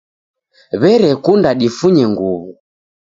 W'erekunda difunye nguw'o